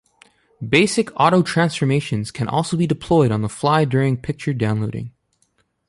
Basic auto-transformations can also be deployed on the fly during picture downloading.